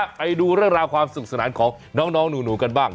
ไปดูเรื่องราวความสุขสนานของน้องหนูกันบ้าง